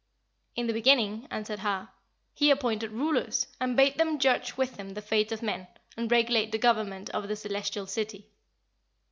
"In the beginning," answered Har, "he appointed rulers, and bade them judge with him the fate of men, and regulate the government of the celestial city.